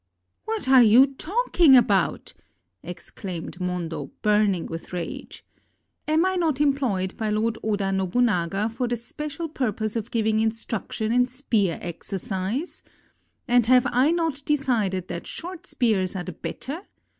"What are you talking about?" exclaimed Mondo, burning with rage. "Am I not employed by Lord Oda [Nobunaga] for the special purpose of giving instruction in spear exercise? And have I not decided that short spears are the better?